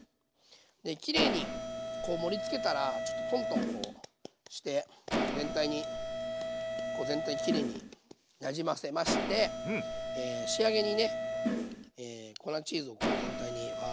できれいにこう盛りつけたらちょっとトントンこうして全体にこう全体にきれいになじませまして仕上げにね粉チーズをこう全体にふわって。